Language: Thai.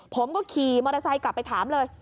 ผมก็ขี่มอเตอร์ไซค์กลับไปถามเลย